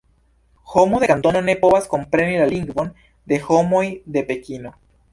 Homo de Kantono ne povas kompreni la lingvon de homoj de Pekino.